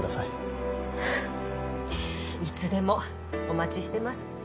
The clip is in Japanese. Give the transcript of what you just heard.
いつでもお待ちしてます。